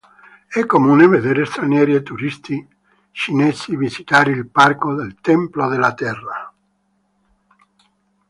È comune vedere stranieri e turisti cinesi visitare il parco del Tempio della Terra.